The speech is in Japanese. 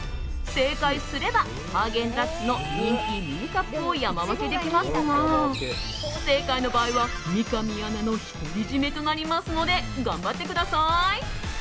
正解すればハーゲンダッツの人気ミニカップを山分けできますが不正解の場合は三上アナの独り占めとなりますので頑張ってください。